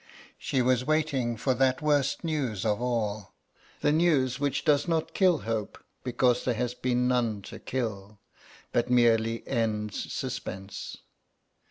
She was waiting for that worst news of all, the news which does not kill hope, because there has been none to kill, but merely ends suspense.